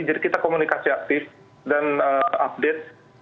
jadi kita komunikasi aktif dan update kalau ada apa apa